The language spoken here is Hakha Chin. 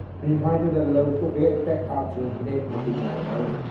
Mi hmai na del lo tuklebek ahcun meh na ting lai lo.